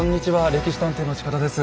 「歴史探偵」の近田です。